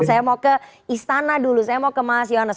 saya mau ke istana dulu saya mau ke mas yonus